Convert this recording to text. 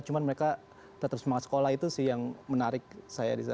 cuma mereka tetap semangat sekolah itu sih yang menarik saya di sana